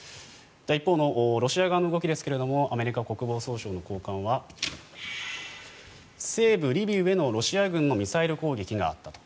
一方のロシア側の動きですがアメリカ国防総省の高官は西部リビウへのロシア軍のミサイル攻撃があったと。